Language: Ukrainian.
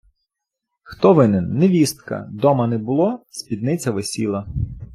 хто винен – невістка: дома не було – спідниця висіла